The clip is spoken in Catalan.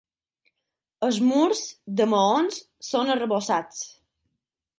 Els murs, de maons, són arrebossats.